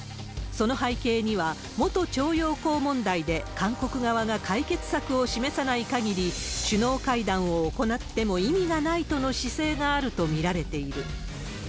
その背景には、元徴用工問題で韓国側が解決策を示さないかぎり、首脳会談を行っても意味がないとの姿勢があると見られている。